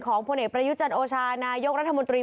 ของพ่อเหตุประยุจันทร์โอชานายกรัฐมนตรี